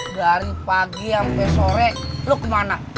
dari pagi sampai sore lu kemana